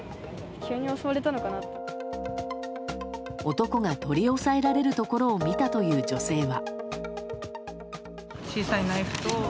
男が取り押さえられるところを見たという女性は。